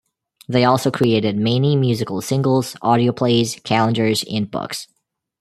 They also created many musical singles, audio plays, calendars and books.